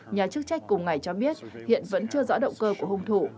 nhà chức trách cùng ngày cho biết hiện vẫn chưa rõ động cơ của hung thủ